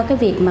cái việc mà